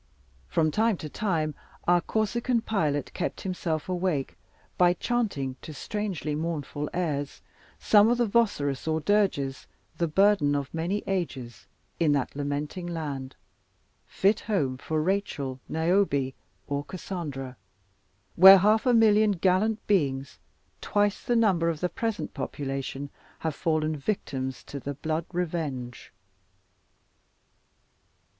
From time to time our Corsican pilot kept himself awake, by chanting to strangely mournful airs some of the voceros or dirges, the burden of many ages in that lamenting land. Fit home for Rachel, Niobe, or Cassandra, where half a million gallant beings, twice the number of the present population, have fallen victims to the blood revenge.